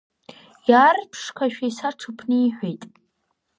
Иаарԥшқашәа исаҽԥниҳәеит.